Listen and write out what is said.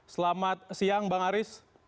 selamat siang bang aris